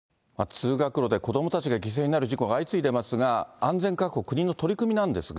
通学路で子どもたちが犠牲になる事故が相次いでますが、安全確保、国の取り組みなんですが。